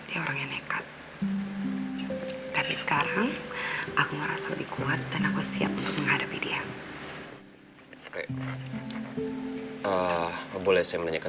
hai dia orang yang nekat tapi sekarang aku merasa lebih kuat dan aku siap untuk menghadapi dia